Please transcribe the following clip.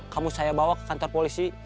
kamu saya bawa ke kantor polisi